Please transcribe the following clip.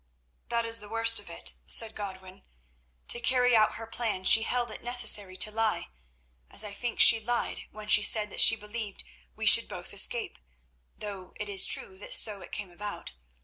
"That is the worst of if," said Godwin. "To carry out her plan she held it necessary to lie, as I think she lied when she said that she believed we should both escape, though it is true that so it came about.